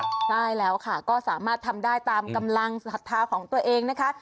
ใช่แล้วค่ะก็สามารถทำได้ตามกำลังศรัทธาของตัวเองนะคะ